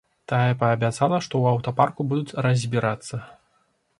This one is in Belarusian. Тая паабяцала, што ў аўтапарку будуць разбірацца.